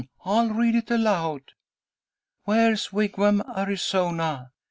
I'll read it aloud:" "'WARE'S WIGWAM, ARIZONA.